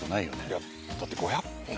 いやだって５００本毎日。